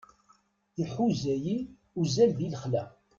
Iḥuza-yi uzal di lexla.